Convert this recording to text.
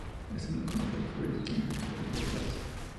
Esto enojó mucho a las furias quienes intentaron rebelarse.